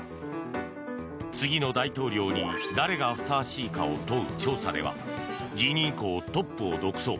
次の大統領に誰がふさわしいかを問う調査では辞任以降、トップを独走。